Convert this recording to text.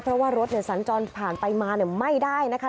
เพราะว่ารถสัญจรผ่านไปมาไม่ได้นะคะ